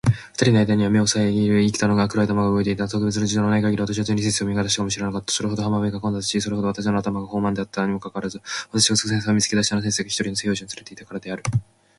二人の間あいだには目を遮（さえぎ）る幾多の黒い頭が動いていた。特別の事情のない限り、私はついに先生を見逃したかも知れなかった。それほど浜辺が混雑し、それほど私の頭が放漫（ほうまん）であったにもかかわらず、私がすぐ先生を見付け出したのは、先生が一人の西洋人を伴（つ）れていたからである。